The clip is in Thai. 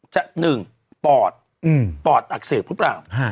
๑ปอดปอดอักเสบหรือเปล่า